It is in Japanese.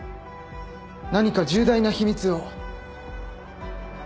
何か重大な秘密を。